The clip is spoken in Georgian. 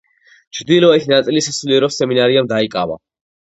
ჩრდილოეთი ნაწილი სასულიერო სემინარიამ დაიკავა.